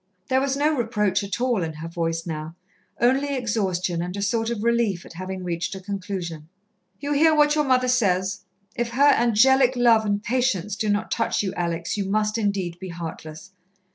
There was no reproach at all in her voice now, only exhaustion, and a sort of relief at having reached a conclusion. "You hear what your mother says. If her angelic love and patience do not touch you, Alex, you must indeed be heartless.